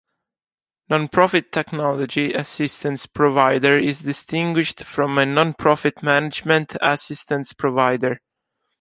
Nonprofit technology assistance provider is distinguished from a "nonprofit "management" assistance provider.